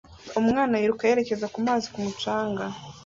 Umwana yiruka yerekeza ku mazi ku mucanga